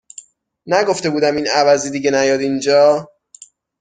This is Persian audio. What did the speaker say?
نگفته بودم این عوضی دیگه نیاد اینجا؟